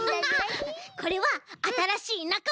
これはあたらしいなかま。